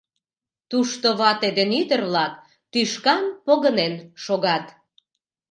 Тушто вате ден ӱдыр-влак тӱшкан погынен шогат.